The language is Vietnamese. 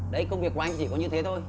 đấy công việc của anh chỉ có như thế thôi